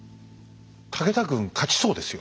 武田軍勝ちそうですよ。